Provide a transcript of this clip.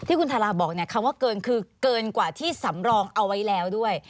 คุณทาราบอกคำว่าเกินคือเกินกว่าที่สำรองเอาไว้แล้วด้วย